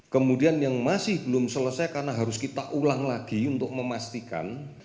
kemudian yang masih belum selesai karena harus kita ulang lagi untuk memastikan